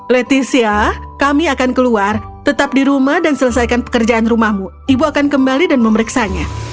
leticia kami akan keluar tetap di rumah dan selesaikan pekerjaan rumahmu ibu akan kembali dan memeriksanya